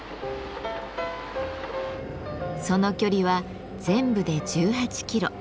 その距離は全部で１８キロ。